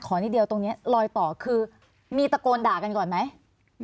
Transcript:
นิดเดียวตรงนี้ลอยต่อคือมีตะโกนด่ากันก่อนไหม